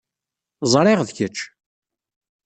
Ẓriɣ d kečč.